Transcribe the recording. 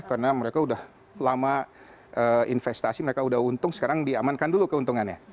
karena mereka udah lama investasi mereka udah untung sekarang diamankan dulu keuntungannya